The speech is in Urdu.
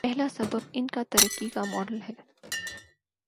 پہلا سبب ان کا ترقی کاماڈل ہے۔